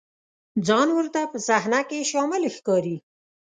ځان ورته په صحنه کې شامل ښکاري.